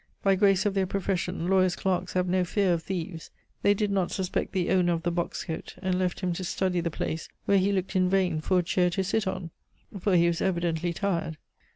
By grace of their profession, lawyers' clerks have no fear of thieves; they did not suspect the owner of the box coat, and left him to study the place, where he looked in vain for a chair to sit on, for he was evidently tired.